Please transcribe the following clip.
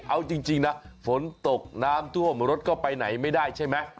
เอาจริงนะฝนตกน้ำท่วมรถก็ไปไหนไม่ได้ใช่ไหม